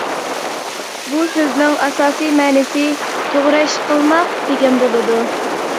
بۇ سۆزنىڭ ئاساسىي مەنىسى «توغرا ئىش قىلماق» دېگەن بولىدۇ.